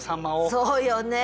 そうよね。